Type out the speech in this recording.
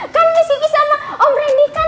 kan miss kiki sama om rendy